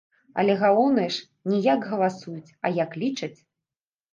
Але галоўнае ж, не як галасуюць, а як лічаць.